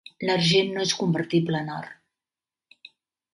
L'argent no és convertible en or.